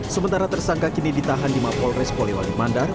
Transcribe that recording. sementara tersangka kini ditahan di mapolres poliwali mandar